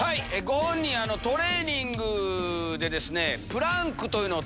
ご本人トレーニングで。